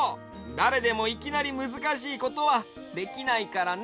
だれでもいきなりむずかしいことはできないからね！